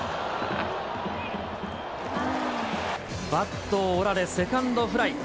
バットを折られ、セカンドフライ。